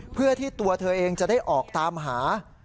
เพื่อที่ตัวเธอเองจะได้ออกตามหา